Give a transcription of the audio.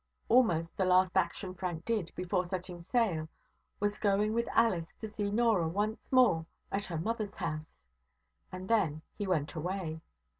Almost the last action Frank did, before setting sail, was going with Alice to see Norah once more at her mother's house; and then he went away.